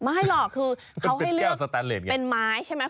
ไม่หรอกคือเขาให้เลือกเป็นไม้ใช่ไหม